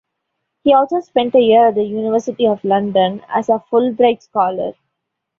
He also spent a year at the University of London as a Fulbright Scholar.